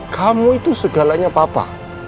kamu itu segalanya papa